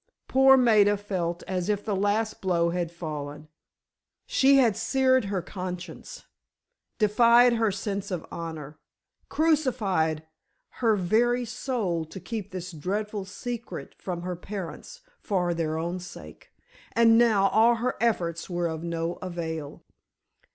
Poor Maida felt as if the last blow had fallen. She had seared her conscience, defied her sense of honor, crucified her very soul to keep this dreadful secret from her parents for their own sake, and now all her efforts were of no avail!